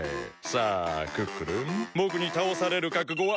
さあクックルンぼくにたおされるかくごは。